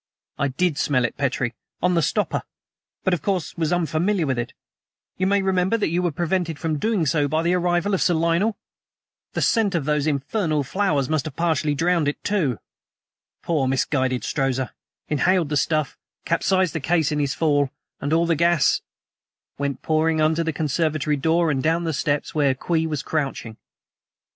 "I did smell it, Petrie, on the stopper, but, of course, was unfamiliar with it. You may remember that you were prevented from doing so by the arrival of Sir Lionel? The scent of those infernal flowers must partially have drowned it, too. Poor, misguided Strozza inhaled the stuff, capsized the case in his fall, and all the gas " "Went pouring under the conservatory door, and down the steps, where Kwee was crouching.